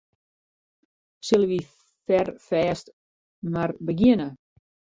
Sille wy ferfêst mar begjinne?